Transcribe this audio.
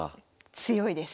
強いです。